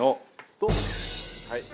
ドン！